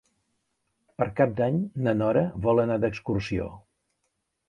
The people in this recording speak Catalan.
Per Cap d'Any na Nora vol anar d'excursió.